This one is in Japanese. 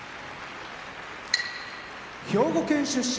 兵庫県出身